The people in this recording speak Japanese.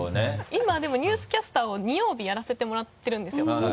今でもニュースキャスターを２曜日やらせてもらってるんですよ。